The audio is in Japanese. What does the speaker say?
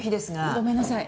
ごめんなさい。